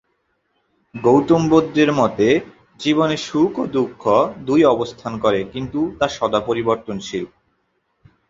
গৌতম বুদ্ধের মতে জীবনে সুখ ও দুঃখ দুই অবস্থান করে, কিন্তু তা সদা পরিবর্তনশীল।